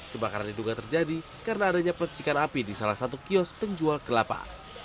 kebakaran ini juga terjadi karena adanya pelecekan api di salah satu kios penjual kelapa